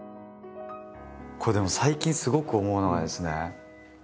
これでも最近すごく思うのがですね